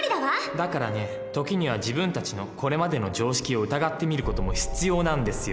だからね時には自分たちのこれまでの常識を疑ってみる事も必要なんですよ。